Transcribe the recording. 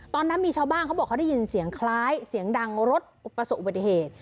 ตอนนั้นมีชาวบ้านเขาบอกเขาได้ยินเสียงคล้ายเสียงดังรถประสบอุบัติเหตุ